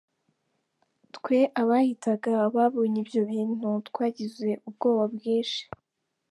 Twe abahitaga babonye ibyo bintu twagize ubwoba bwinshi.”